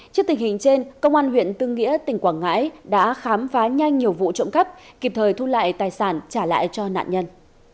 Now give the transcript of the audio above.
trước tình hình trên công an huyện tư nghĩa tỉnh quảng ngãi đã khám phá nhanh nhiều vụ trộm cắp kịp thời thu lại tài sản trả lại cho nạn nhân